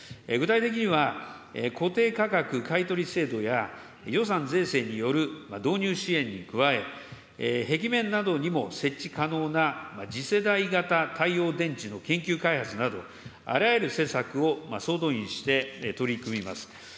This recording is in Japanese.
具体的には、固定価格買取制度や税制による導入支援に加え、壁面などにも設置可能な次世代型太陽電池の研究開発など、あらゆる施策を総動員して取り組みます。